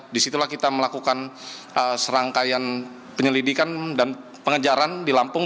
disitulah kita melakukan serangkaian penyelidikan dan pengejaran di lampung